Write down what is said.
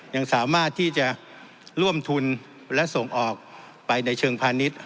ยังสามารถที่จะร่วมทุนและส่งออกไปในเชิงพาณิชย์